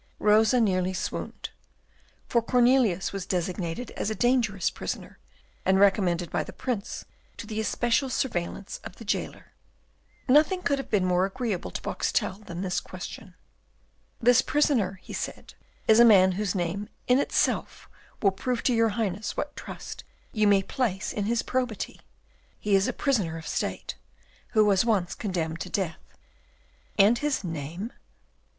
Rosa nearly swooned, for Cornelius was designated as a dangerous prisoner, and recommended by the Prince to the especial surveillance of the jailer. Nothing could have been more agreeable to Boxtel than this question. "This prisoner," he said, "is a man whose name in itself will prove to your Highness what trust you may place in his probity. He is a prisoner of state, who was once condemned to death." "And his name?"